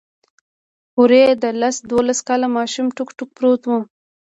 هورې د لس دولسو کالو ماشوم ټوک ټوک پروت و.